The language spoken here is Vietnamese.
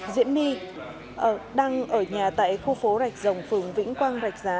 diễm my đang ở nhà tại khu phố rạch rồng phường vĩnh quang rạch giá